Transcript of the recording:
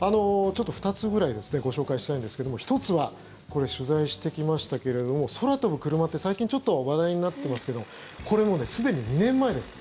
２つくらいご紹介したいんですけども１つはこれ、取材してきましたけれども空飛ぶ車って、最近ちょっと話題になっていますけどもこれ、すでに２年前です。